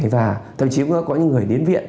và thậm chí cũng có những người đến viện